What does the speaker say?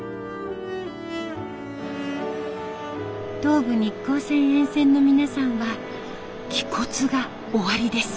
東武日光線沿線の皆さんは気骨がおありです。